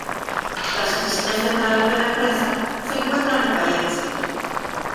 Las oficinas centrales de la empresa se encuentran en Valencia.